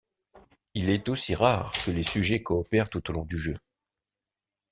Il est aussi rare que les sujets coopérent tout au long du jeu.